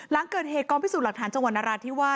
ก็คือเหตุกรรมพิสูจน์หลักฐานจังหวัณราชที่ว่า